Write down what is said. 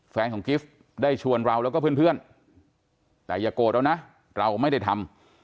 ของกิฟต์ได้ชวนเราแล้วก็เพื่อนแต่อย่าโกรธเรานะเราไม่ได้ทำ